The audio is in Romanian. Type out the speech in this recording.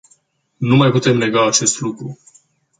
Nu mai putem nega acest lucru.